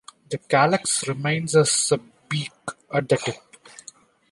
The calyx remains as a beak at the tip.